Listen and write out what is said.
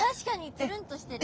つるんとしてる。